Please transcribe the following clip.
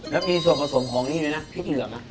แล้วมีส่วนผสมของนี่ไหมนะพริกเหลือไหม